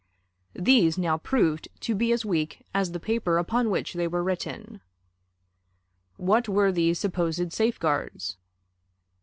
These now proved to be as weak as the paper upon which they were written. What were these supposed safeguards?